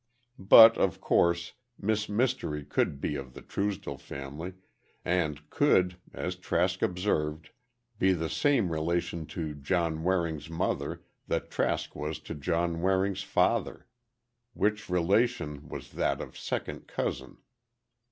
But of course, Miss Mystery could be of the Truesdell family, and could, as Trask observed, be the same relation to John Waring's mother that Trask was to John Waring's father. Which relation was that of second cousin.